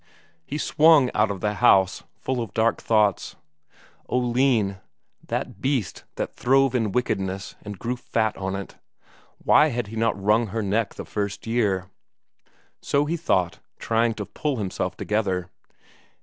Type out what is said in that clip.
He swung out of the house, full of dark thoughts. Oline, that beast that throve in wickedness and grew fat on it why had he not wrung her neck the first year? So he thought, trying to pull himself together.